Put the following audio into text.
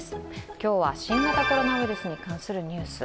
今日は新型コロナに関するニュース。